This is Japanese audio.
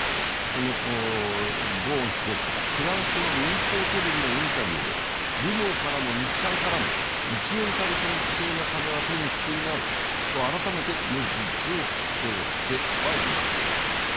このゴーン被告、フランスの民放テレビのインタビューでルノーからも日産からも１円たりとも不正な金は手にしていないと改めて無実を主張してはいます。